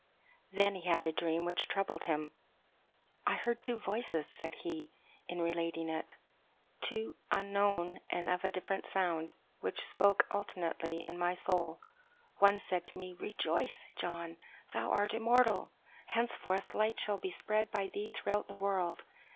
"Then he had a dream which troubled him. 'I heard two voices,' said he, in relating it; 'two unknown and of a different sound, which spoke alternately in my soul. One said to me, "Rejoice, John; thou art immortal! Henceforth, light shall be spread by thee throughout the world.